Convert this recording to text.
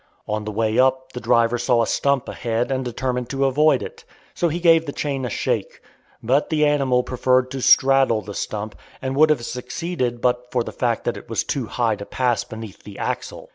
On the way up the driver saw a stump ahead and determined to avoid it. So he gave the chain a shake. But the animal preferred to "straddle" the stump, and would have succeeded but for the fact that it was too high to pass beneath the axle.